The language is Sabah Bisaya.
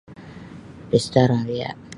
Pesta raya.